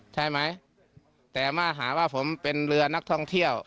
ใช่ไหมแต่มาหาว่าผมเป็นเรือนักท่องเที่ยว